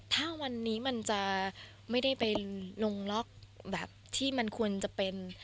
ถ้าวันนี้มันจะไม่ได้ไปลงล็อกแบบที่มันควรจะเป็น